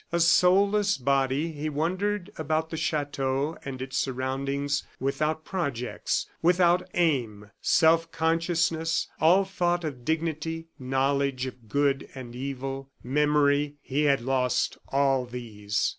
A soulless body, he wandered about the chateau and its surroundings without projects, without aim. Self consciousness, all thought of dignity, knowledge of good and evil, memory he had lost all these.